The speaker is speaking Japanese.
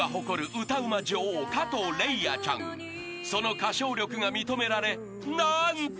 ［その歌唱力が認められ何と］